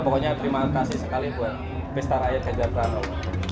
pokoknya terima kasih sekali buat pesta rakyat ganjar pranowo